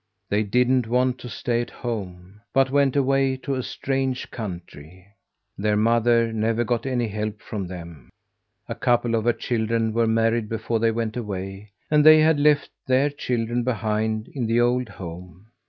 They didn't want to stay at home, but went away to a strange country. Their mother never got any help from them. A couple of her children were married before they went away, and they had left their children behind, in the old home.